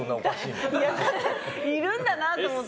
だって、いるんだなと思って。